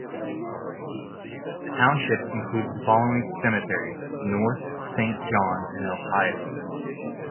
The township includes the following cemeteries: North Saint Johns and Ohio.